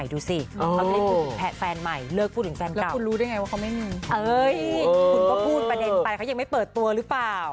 มาทุกอย่างเลย